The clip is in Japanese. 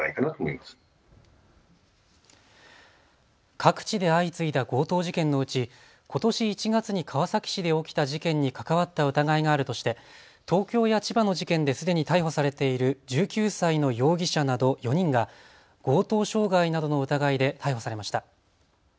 各地で相次いだ強盗事件のうちことし１月に川崎市で起きた事件に関わった疑いがあるとして東京や千葉の事件ですでに逮捕されている１９歳の容疑者など４人が強盗傷害などの疑いで逮捕されました。